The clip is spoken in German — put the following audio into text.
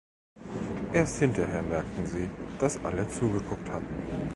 Erst hinterher merkten sie, dass alle zugeguckt hatten.